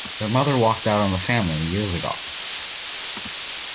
Their mother walked out on the family years ago.